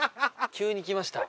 急にきました？